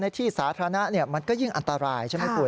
ที่สาธารณะมันก็ยิ่งอันตรายใช่ไหมคุณ